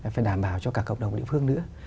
phải đảm bảo cho cả cộng đồng địa phương nữa